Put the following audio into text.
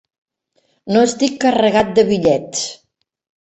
No estic carregat de bitllets.